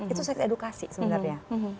itu seks edukasi sebenarnya